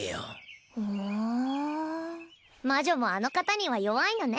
ふぅん魔女もあの方には弱いのね。